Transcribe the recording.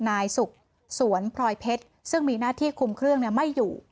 นายสุขสวนพลอยเพชรซึ่งมีหน้าที่คุมเครื่องไม่อยู่